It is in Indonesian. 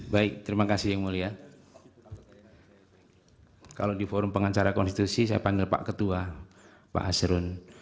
baik terima kasih yang mulia kalau di forum pengacara konstitusi saya panggil pak ketua pak hasrun